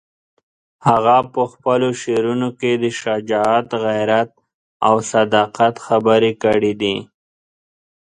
هغه په خپلو شعرونو کې د شجاعت، غیرت او صداقت خبرې کړې دي.